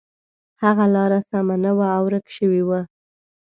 هغه لاره سمه نه وه او ورک شوی و.